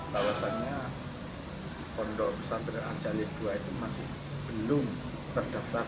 bahwasannya pondok pesantren al jalil ii itu masih belum terdaftar di kantor kantor